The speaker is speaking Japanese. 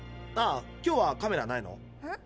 ああ今日はカメラないの？